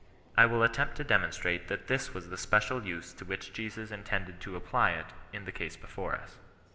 I will attempt to demonstrate that this was the special use to which Jesus intended to apply it in the case before us.